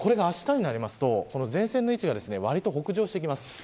これがあしたになると前線の位置がわりと北上してきます。